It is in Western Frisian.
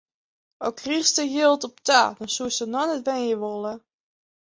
Al krigest der jild op ta, dan soest der noch net wenje wolle.